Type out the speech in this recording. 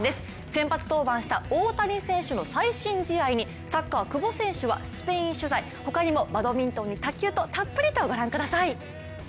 先発登板した大谷選手の最新試合にサッカー・久保選手はスペイン取材他にもバドミントンに卓球とたっぷりとご覧ください。